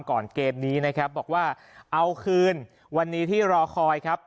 เกมนี้นะครับบอกว่าเอาคืนวันนี้ที่รอคอยครับ